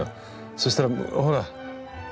そしたらほら。